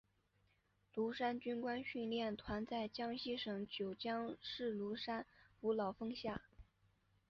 庐山军官训练团在江西省九江市庐山五老峰下。